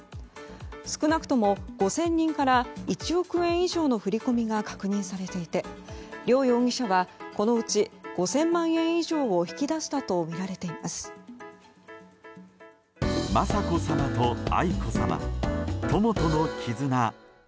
少なくとも５０００人から１億円以上の振り込みが確認されていてリョウ容疑者はこのうち５０００万円以上を引き出したとみられています。